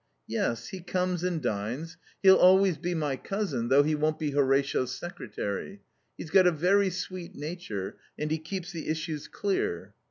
"Yes, he comes and dines. He'll always be my cousin, though he won't be Horatio's secretary. He's got a very sweet nature and he keeps the issues clear."